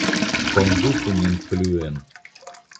Konduku nin pluen!